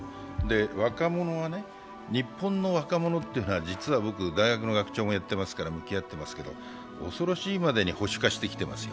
若者は日本の若者というのは実は、僕は大学の学長もやっていますから向き合っていますけど、恐ろしいまでに保守化してきてますよ。